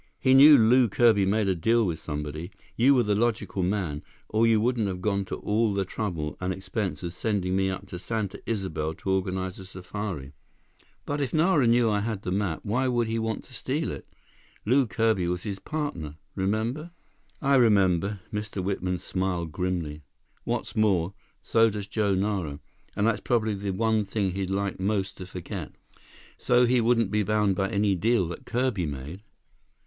"He knew Lew Kirby made a deal with somebody. You were the logical man, or you wouldn't have gone to all the trouble and expense of sending me up to Santa Isabel to organize a safari." "But if Nara knew I had the map, why would he want to steal it? Lew Kirby was his partner. Remember?" "I remember." Mr. Whitman smiled grimly. "What's more, so does Joe Nara, and that's probably the one thing he'd like most to forget." "So he wouldn't be bound by any deal that Kirby made?"